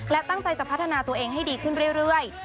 และตั้งใจจะพัฒนาตัวเองให้ดีขึ้นเรื่อย